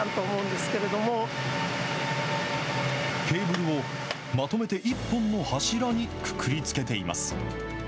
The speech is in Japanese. ケーブルをまとめて一本の柱にくくりつけています。